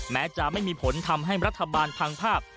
แม้จะไม่มีผลทำให้รัฐบาลพังภาพ